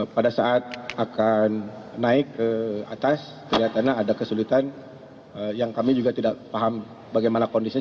pada saat akan naik ke atas kelihatannya ada kesulitan yang kami juga tidak paham bagaimana kondisinya